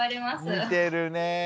似てるね。